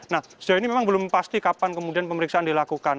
nah sejauh ini memang belum pasti kapan kemudian pemeriksaan dilakukan